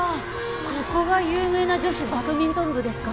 ここが有名な女子バドミントン部ですか